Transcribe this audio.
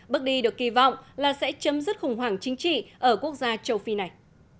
bước đi được kỳ vọng là sẽ chấm dứt khủng hoảng chính trị ở quốc gia châu phi này